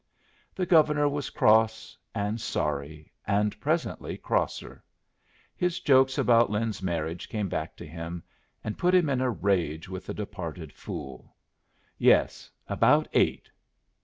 The Governor was cross, and sorry, and presently crosser. His jokes about Lin's marriage came back to him and put him in a rage with the departed fool. "Yes, about eight.